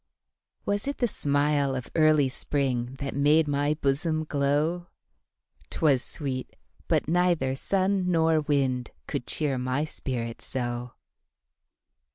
Was it the smile of early springThat made my bosom glow?'Twas sweet; but neither sun nor windCould cheer my spirit so.